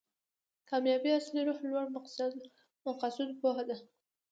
کامیابي اصلي روح لوړ مقاصدو پوهه ده.